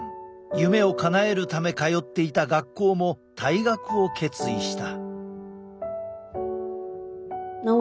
夢をかなえるため通っていた学校も退学を決意した。